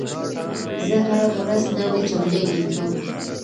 زه هره ورځ نوي جملې لیکم.